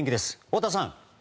太田さん。